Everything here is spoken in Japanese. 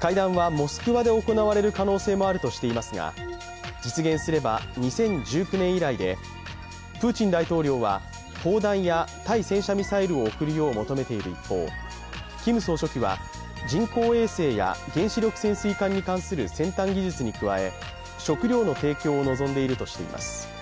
会談はモスクワで行われる可能性もあるとしていますが、実現すれば２０１９年以来で、プーチン大統領は砲弾や対戦車ミサイルを送るよう求めている一方、キム総書記は人工衛星や原子力潜水艦に関する先端技術に加え食料の提供を望んでいるとしています。